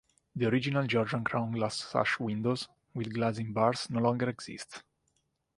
The original Georgian crown glass sash windows with glazing bars no longer exist.